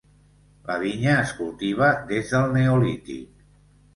La vinya es cultiva des del Neolític.